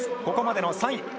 ここまでの３位。